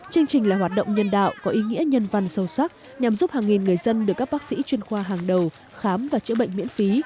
chương trình là hoạt động nhân đạo có ý nghĩa nhân văn sâu sắc nhằm giúp hàng nghìn người dân được các bác sĩ chuyên khoa hàng đầu khám và chữa bệnh miễn phí